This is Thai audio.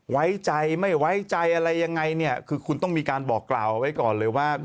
ไว้ใจไม่ไว้ใจอะไรยังไงเนี่ยคือคุณต้องมีการบอกกล่าวไว้ก่อนเลยว่า